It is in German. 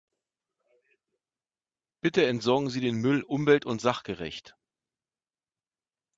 Bitte entsorgen Sie den Müll umwelt- und sachgerecht.